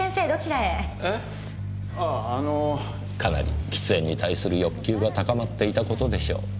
かなり喫煙に対する欲求が高まっていたことでしょう。